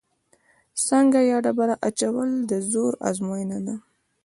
سانګه یا ډبره اچول د زور ازموینه ده.